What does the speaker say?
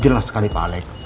jelas sekali pak alec